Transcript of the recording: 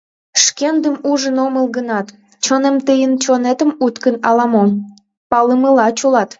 — Шкендым ужын омыл гынат, чонем тыйын чонетым уткын ала-мо: палымыла чучат...